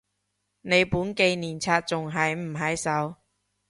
你本紀念冊仲喺唔喺手？